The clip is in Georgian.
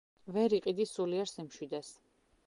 ვერ იყიდი სულიერ სიმშვიდეს.